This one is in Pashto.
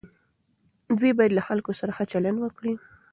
دوی باید له خلکو سره ښه چلند وکړي.